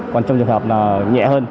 còn trong trường hợp nhẹ hơn